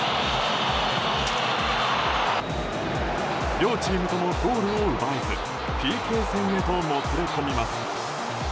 両チームともゴールを奪えずＰＫ戦へともつれ込みます。